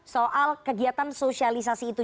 soal kegiatan sosialisasi itu